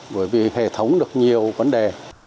bởi vì hệ thống được nhiều vấn đề